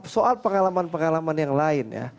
soal pengalaman pengalaman yang lain ya